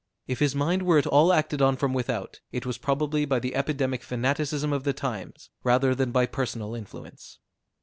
If his mind were at all acted on from without, it was probably by the epidemic fanaticism of the times, rather than by personal influence.